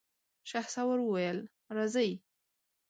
شهسوار وويل: راځئ!